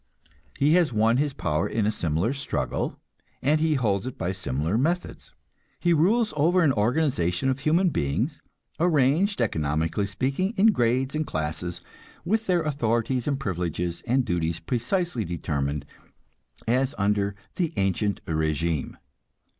He has won his power in a similar struggle, and he holds it by similar methods. He rules over an organization of human beings, arranged, economically speaking, in grades and classes, with their authorities and privileges and duties precisely determined, as under the "ancient régime."